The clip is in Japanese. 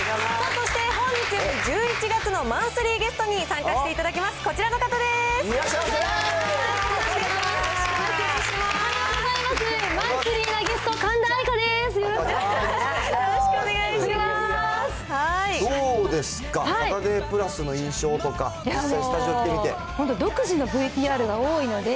そして、本日１１月のマンスリーゲストに参加していただきます、こちらのいらっしゃいませ。